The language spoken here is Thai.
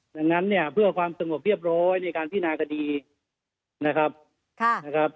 ดังนั้นเนี่ยเพื่อความสงบเรียบร้อยในการพินาคดีนะครับ